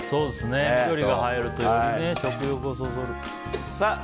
緑が入るとより食欲をそそる。